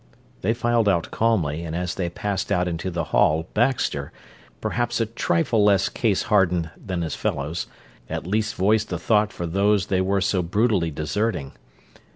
They filed out calmly, and as they passed out into the hall Baxter, perhaps a trifle less case hardened than his fellows, at least voiced a thought for those they were so brutally deserting.